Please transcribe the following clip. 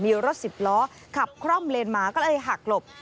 มีรถสิบล้อขับคร่อมเลนมาก็เลยหักหลบ